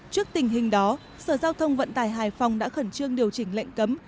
trước tình hình đó sở giao thông vận tải hải phòng đã khẩn trương điều chỉnh lệnh cấm